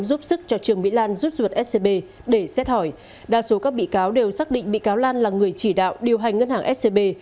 giúp sức cho trương mỹ lan rút ruột scb để xét hỏi đa số các bị cáo đều xác định bị cáo lan là người chỉ đạo điều hành ngân hàng scb